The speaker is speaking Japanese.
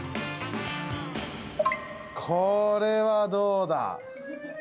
これはどうだ？